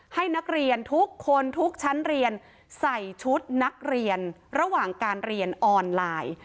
ให้นักเรียนทุกคนทุกชั้นเรียนใส่ชุดนักเรียนระหว่างการเรียนออนไลน์